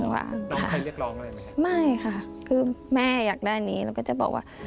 ข้างบนค่ะค่ะไม่ค่ะคือแม่อยากได้นี้เราก็จะบอกว่า